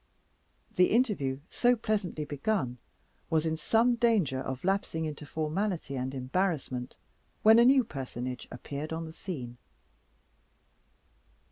The interview so pleasantly begun was in some danger of lapsing into formality and embarrassment, when a new personage appeared on the scene.